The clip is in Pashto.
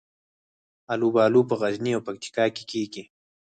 الوبالو په غزني او پکتیکا کې کیږي